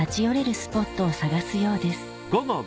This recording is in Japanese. スポットを探すようです